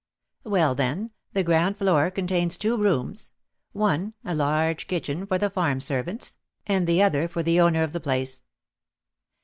"Well, then, the ground floor contains two rooms; one, a large kitchen for the farm servants, and the other for the owner of the place."